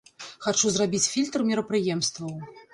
Хачу зрабіць фільтр мерапрыемстваў.